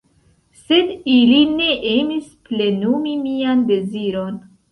Sed ili ne emis plenumi mian deziron.